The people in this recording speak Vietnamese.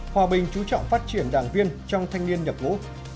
hòa bình chú trọng phát triển đảng viên trong thanh niên nhập ngũ